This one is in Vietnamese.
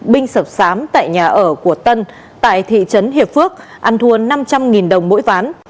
binh sập sám tại nhà ở của tân tại thị trấn hiệp phước ăn thua năm trăm linh đồng mỗi ván